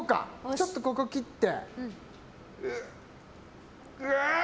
ちょっとここ切って。